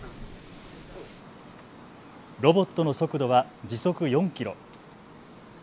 ロボットの速度は時速４キロ。